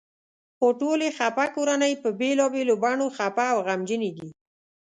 خو ټولې خپه کورنۍ په بېلابېلو بڼو خپه او غمجنې دي.